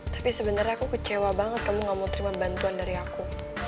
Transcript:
tapi sebenarnya aku kecewa banget kamu gak mau terima bantuan dari aku